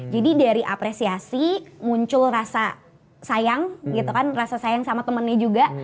jadi dari apresiasi muncul rasa sayang gitu kan rasa sayang sama temennya juga